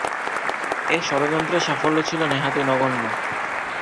এ ষড়যন্ত্রের সাফল্য ছিল নেহাতই নগণ্য।